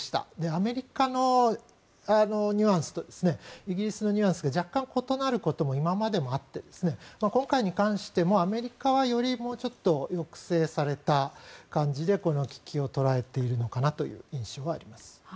アメリカのニュアンスとイギリスのニュアンスが若干異なることも今までもあって今回に関してもアメリカはよりもうちょっと抑制された感じでこの危機を捉えているのかなという印象はあります。